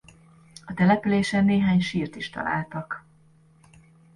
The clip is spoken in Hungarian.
A településen néhány sírt is találtak.